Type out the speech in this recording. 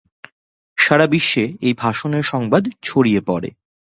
সারা বিশ্বে এই ভাষণের সংবাদ ছড়িয়ে পড়ে।